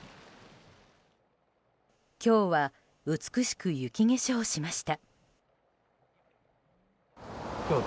今日は美しく雪化粧しました。